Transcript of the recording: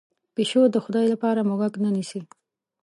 پشو د خدای لپاره موږک نه نیسي.